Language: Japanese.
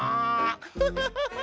フフフフフ！